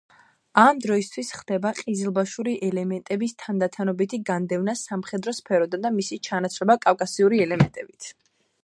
ამ დროისთვის ხდება ყიზილბაშური ელემენტების თანდათანობითი განდევნა სამხედრო სფეროდან და მისი ჩანაცვლება კავკასიური ელემენტებით.